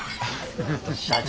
社長。